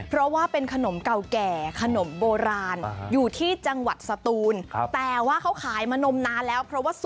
เพราะว่าเป็นขนมเก่าแก่ขนมโบราณอยู่ที่เจ